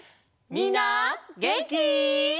みんなげんき？